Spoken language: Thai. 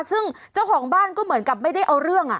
ซึ่งเจ้าของบ้านก็เหมือนกับไม่ได้เอาเรื่อง